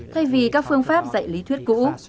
thay vì các phương pháp dạy lý thuyết cũ